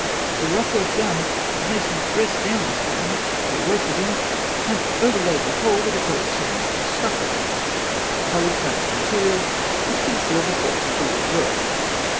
The rough work done, the masons dressed down the stone, reworked the joints, and overlaid the whole with a coat of cement or stucco, coloured to match the material, which concealed the faults of the real work.